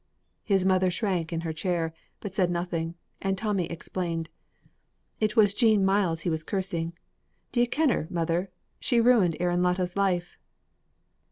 '" His mother shrank in her chair, but said nothing, and Tommy explained: "It was Jean Myles he was cursing; did you ken her, mother? she ruined Aaron Latta's life."